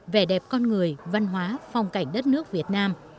vẻ đẹp con người văn hóa phong cảnh đất nước việt nam